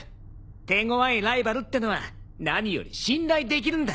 手ごわいライバルってのは何より信頼できるんだ。